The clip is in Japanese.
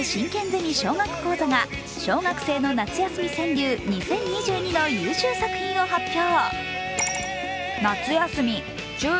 ゼミ小学講座が小学生の夏休み川柳２０２２の優秀作品を発表。